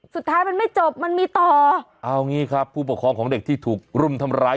สุดท้ายมันไม่จบมันมีต่อเอางี้ครับผู้ปกครองของเด็กที่ถูกรุมทำร้าย